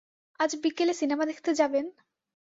আজ বিকেলে সিনেমা দেখতে যাবেন?